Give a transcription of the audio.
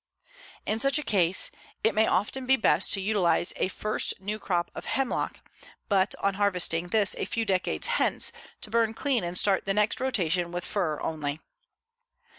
In such a case it may often be best to utilize a first new crop of hemlock, but on harvesting this a few decades hence to burn clean and start the next rotation with fir only.